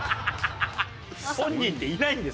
本人っていないんです。